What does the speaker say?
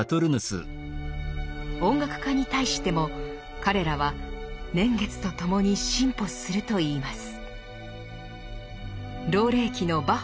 音楽家に対しても彼らは「年月とともに進歩する」と言います。